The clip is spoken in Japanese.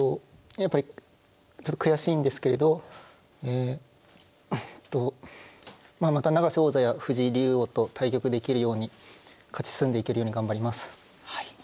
やっぱりちょっと悔しいんですけれどえっとまあまた永瀬王座や藤井竜王と対局できるように勝ち進んでいけるように頑張ります。